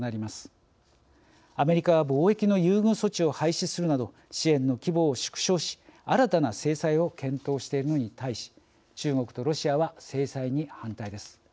アメリカは貿易の優遇措置を廃止するなど支援の規模を縮小し新たな制裁を検討しているのに対し中国とロシアは制裁に反対です。